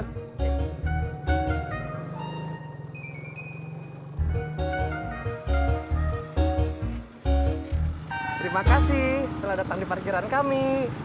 terima kasih telah datang di parkiran kami